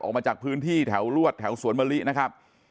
ออกมาจากพื้นที่แถวลวดแถวสวนมะลินะครับ